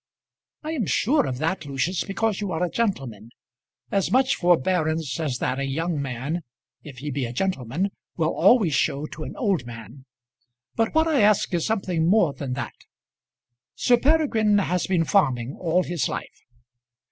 "I am sure of that, Lucius, because you are a gentleman. As much forbearance as that a young man, if he be a gentleman, will always show to an old man. But what I ask is something more than that. Sir Peregrine has been farming all his life."